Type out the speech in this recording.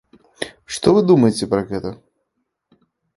Што вы думаеце пра гэта?